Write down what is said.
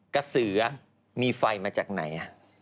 กระสือมีไฟมาจากไหน